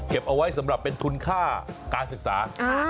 เอาไว้สำหรับเป็นทุนค่าการศึกษา